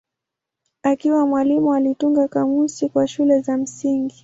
Akiwa mwalimu alitunga kamusi kwa shule za msingi.